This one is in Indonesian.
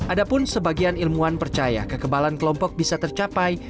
ada pun sebagian ilmuwan percaya kekebalan kelompok bisa tercapai